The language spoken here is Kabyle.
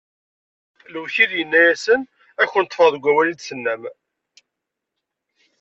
Lewkil inna-asen: Ad ken-ṭṭfeɣ deg wawal i d-tennam!